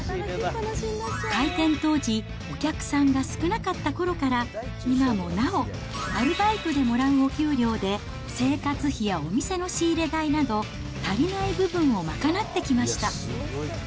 開店当時、お客さんが少なかったころから、今もなお、アルバイトでもらうお給料で、生活費やお店の仕入れ代など、足りない部分を賄ってきました。